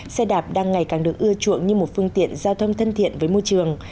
xe đạp đang ngày càng được ưa chuộng như một phương tiện giao thông thân thiện với môi trường